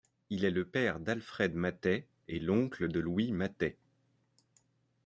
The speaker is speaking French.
Il est le père d'Alfred Mathey et l'oncle de Louis Mathey.